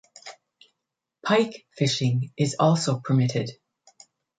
Pike fishing is also permitted.